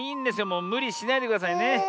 もうむりしないでくださいね。